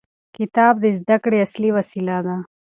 کتاب د زده کړې اصلي وسیله ده.